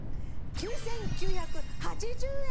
９９８０円！